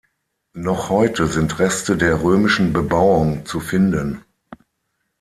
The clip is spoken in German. Noch heute sind Reste der römischen Bebauung zu finden.